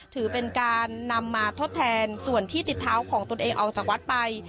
ถือเป็นการนำมาทดแทนส่วนที่ติดเท้าของตนเองออกจากวัดไป